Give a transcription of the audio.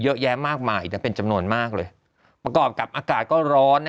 เยอะแยะมากมายเป็นจำนวนมากเลยประกอบกับอากาศก็ร้อนนะ